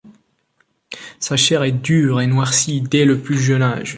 Sa chair est dure et noircit dès le plus jeune âge.